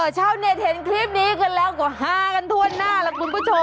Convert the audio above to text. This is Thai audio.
ชาวเน็ตเห็นคลิปนี้กันแล้วก็ฮากันทั่วหน้าล่ะคุณผู้ชม